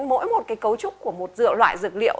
mỗi một cái cấu trúc của một dựa loại dực liệu